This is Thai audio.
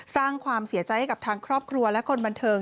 สร้างความเสียใจให้กับทางครอบครัวและคนบันเทิง